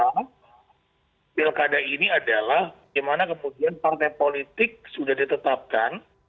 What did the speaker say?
pemilu yang diberikan pilkada ini adalah bagaimana kemudian partai politik sudah ditetapkan